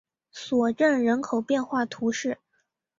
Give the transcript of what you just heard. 索镇人口变化图示